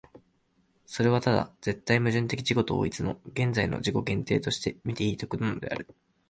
それはただ絶対矛盾的自己同一の現在の自己限定としてのみいい得るのである。